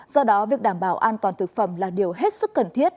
do đó việc đảm bảo an toàn thực phẩm là điều hết sức cần thiết